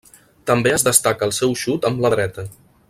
També es destaca el seu xut amb la dreta.